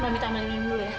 mbak minta amat minum dulu ya